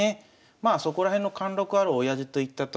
まあそこら辺の貫禄あるおやじといったところでしょうか。